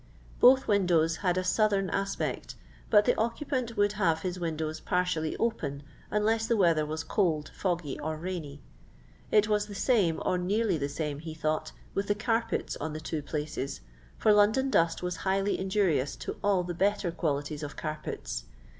Both windows had a southern aspect, but the occupant would have his windows partially open unless the weather was cold, foggy, or rainy. It was the same, or nearly the same, he thought, with the carpets on the two places, for London dust was highly injurious to all the better qualities of carpets.